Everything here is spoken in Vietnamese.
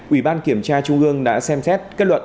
ủy ban kiểm tra trung ương đã xem xét kết luận